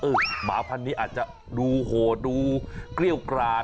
หมาพันนี้อาจจะดูโหดดูเกลี้ยวกราด